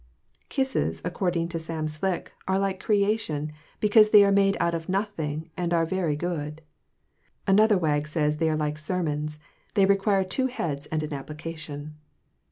Kisses, according to Sam Slick, are like creation, because they are made out of nothing and are very good. Another wag says they are like sermons, they require two heads and an application.